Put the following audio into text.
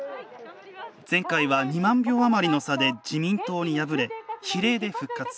前回は２万票余りの差で自民党に敗れ、比例で復活。